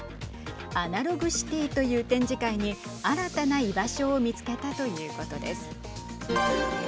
アナログシティーという展示会に新たな居場所を見つけたということです。